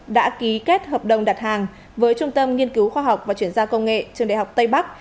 đã ký kết hợp đồng đặt hàng với trung tâm nghiên cứu khoa học và chuyển giao công nghệ trường đại học tây bắc